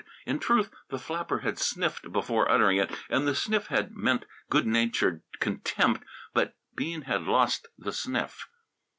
In truth, the flapper had sniffed before uttering it, and the sniff had meant good natured contempt but Bean had lost the sniff.